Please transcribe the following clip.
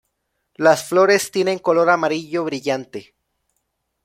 Las flores tienen color amarillo brillante.